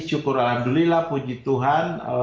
syukurlah puji tuhan